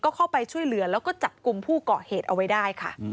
เข้าไปช่วยเหลือแล้วก็จับกลุ่มผู้เกาะเหตุเอาไว้ได้ค่ะ